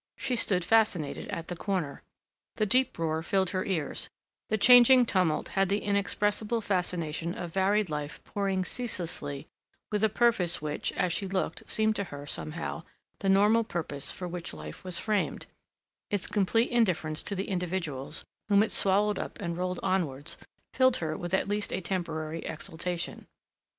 She stood fascinated at the corner. The deep roar filled her ears; the changing tumult had the inexpressible fascination of varied life pouring ceaselessly with a purpose which, as she looked, seemed to her, somehow, the normal purpose for which life was framed; its complete indifference to the individuals, whom it swallowed up and rolled onwards, filled her with at least a temporary exaltation.